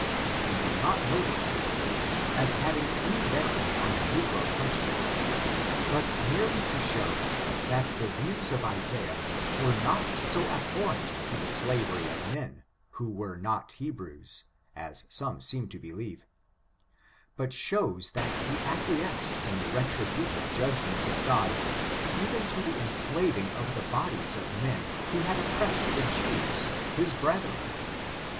We do not notice this case as having any bearing on the negro question, but merely to show, that the views of Isaiah were not so abhorrent to the slavery of men, who were not Hebrews, as some seem to believe; but shows that he acquiesced in the retributive judgments of God, even to the enslaving of the bodies of men who had oppressed the Jews, his brethren.